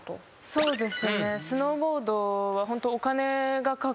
そうです。